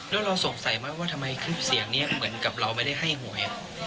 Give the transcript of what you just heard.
แล้วเราสงสัยไหมว่าทำไมคลิปเสียงนี้เหมือนกับเราไม่ได้ให้หวย